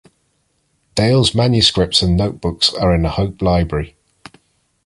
Dale's manuscripts and notebooks are in the Hope Library.